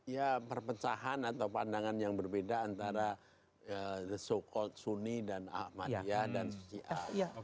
ya perpecahan atau pandangan yang berbeda antara so called sunni dan ahmadiyah dan si a